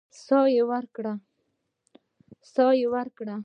سا يې ورکړه.